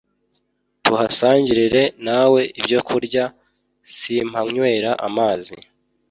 tuhasangirire nawe ibyokurya simpanywera amazi